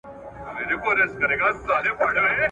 دا سر زوري خلک غوږ پر هره وینا نه نیسي ..